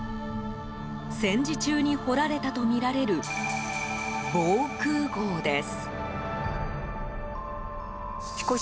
戦時中に掘られたとみられる防空壕です。